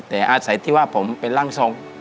แต่อาจจะใส่ที่ว่าผมเป็นรั่งทรง